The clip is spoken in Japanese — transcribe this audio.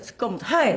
はい。